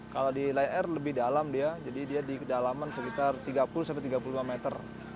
kalau di lion air lebih dalam dia jadi dia di kedalaman sekitar tiga puluh sampai tiga puluh lima meter